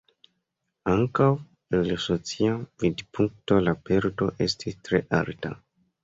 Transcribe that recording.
Ankaŭ el socia vidpunkto la perdo estis tre alta.